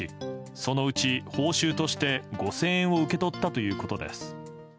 そのうち報酬として５０００円を受け取ったということです。